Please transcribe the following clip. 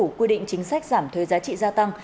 nghị định chính sách giảm thuế giá trị gia tăng